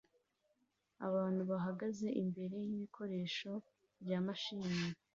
Abantu bahagaze imbere yibikoresho bya mashini